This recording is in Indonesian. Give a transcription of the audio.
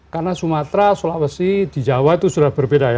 karena sumatera sulawesi di jawa itu sudah berbeda ya